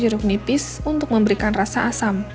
satu buah jeruk nipis untuk memberikan rasa asam